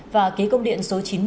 và ký công điện số chín mươi